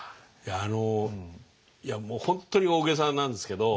いや本当に大げさなんですけど